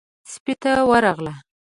سپۍ ته ورغله.